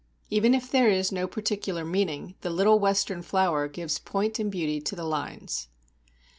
Even if there is no particular meaning, the "little western flower" gives point and beauty to the lines.